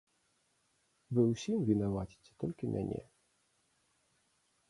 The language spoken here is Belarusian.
Вы ўсім вінаваціце толькі мяне.